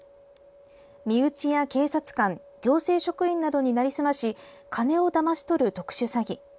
身内や警察官行政職員などに成りすまし金をだまし取る、特殊詐欺。